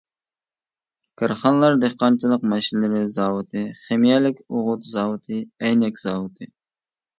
كارخانىلار دېھقانچىلىق ماشىنىلىرى زاۋۇتى، خىمىيەلىك ئوغۇت زاۋۇتى، ئەينەك زاۋۇتى.